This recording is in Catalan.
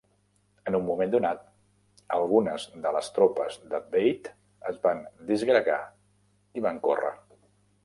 En un moment donat, algunes de les tropes de Bate es van disgregar i van córrer.